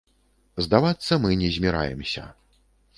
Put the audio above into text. Здавацца мы не зміраемся.